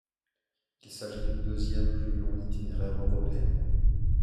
Il s'agit du deuxième plus long itinéraire européen.